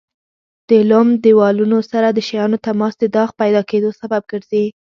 د لمد دېوالونو سره د شیانو تماس د داغ پیدا کېدو سبب ګرځي.